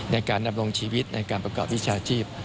ในการดำรงชีวิตในการประกอบวิชาชีพ